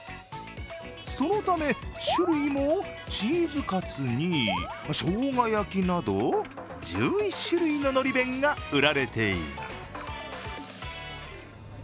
そのため種類もチーズカツに生姜焼きなど１１種類ののり弁が売られています。